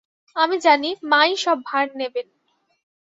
আমি জানি, মা-ই সব ভার নেবেন।